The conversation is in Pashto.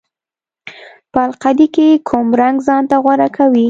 په القلي کې کوم رنګ ځانته غوره کوي؟